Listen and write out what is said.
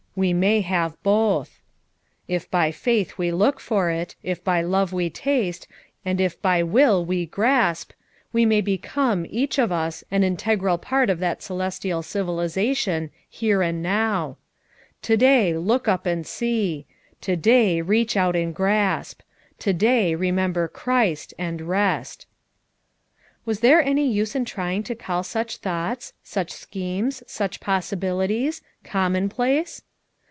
We may have both. If by faith we look for it, if by love we taste, and if by will ive grasp, we may become, each one of us, an integral part of that celestial civilization here and now. " To day look up and see! To day reach out and grasp ! To day remember Christ, and rest" Was there any use in trying to call such thoughts, such schemes, such possibilities, com monplace!